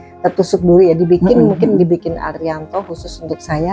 star especially mbak ya mungkin dibikin arianto khusus untuk saya